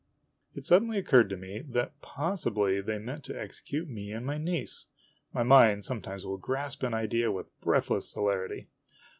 It suddenly occurred to me that possibly they meant to exe cute me and my niece. My mind sometimes will grasp an idea with breathless celerity.